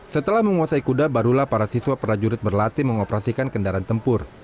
setelah menguasai kuda barulah para siswa prajurit berlatih mengoperasikan kendaraan tempur